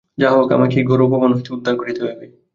যাহা হউক আমাকে এই ঘোর অপমান হইতে উদ্ধার করিতে হইবে।